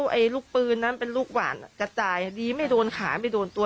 ไอ้ลูกปืนนั้นเป็นลูกหวานกระจายดีไม่โดนขาไม่โดนตัว